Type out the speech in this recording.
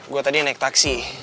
gue tadi naik taksi